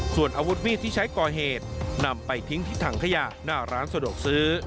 ส่วนอาวุธมีดที่ใช้ก่อเหตุนำไปทิ้งที่ถังขยะหน้าร้านสะดวกซื้อ